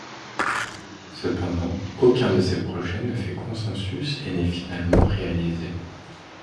Cependant, aucun de ces projets ne fait consensus et n'est finalement réalisé.